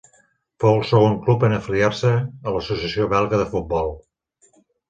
Fou el segon club en afiliar-se a l'Associació Belga de Futbol.